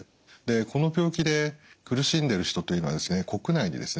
この病気で苦しんでいる人というのは国内にですね